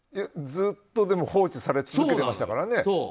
ずっとでも放置され続けてましたからね。